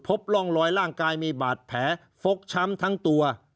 พบร่องรอยร่างกายมีบาดแผลฟกช้ำทั้งตัว